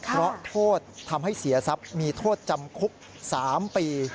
เพราะโทษทำให้เสียทรัพย์มีโทษจำคุก๓ปี